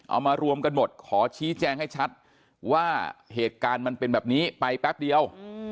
เอามารวมกันหมดขอชี้แจงให้ชัดว่าเหตุการณ์มันเป็นแบบนี้ไปแป๊บเดียว